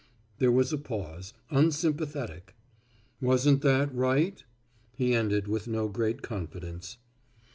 There was a pause, unsympathetic. "Wasn't that right?" he ended with no great confidence.